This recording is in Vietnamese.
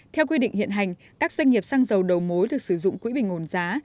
theo quy định hiện hành các doanh nghiệp xăng dầu đầu mối được sử dụng quỹ bình ổn giá